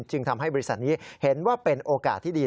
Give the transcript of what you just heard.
จึงทำให้บริษัทนี้เห็นว่าเป็นโอกาสที่ดี